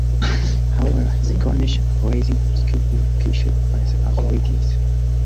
However, the Cornish uprising was quickly quashed by the authorities.